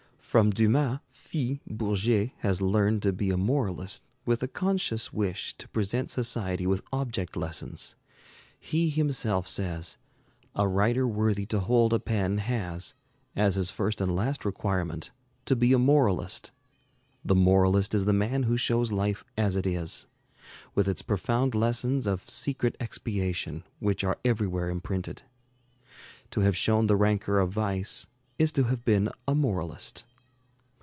From Dumas fils Bourget has learned to be a moralist with a conscious wish to present society with object lessons. He himself says, "A writer worthy to hold a pen has, as his first and last requirement, to be a moralist. The moralist is the man who shows life as it is, with its profound lessons of secret expiation which are everywhere imprinted. To have shown the rancor of vice is to have been a moralist."